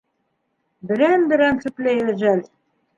Берәм-берәм сүпләй әжәл.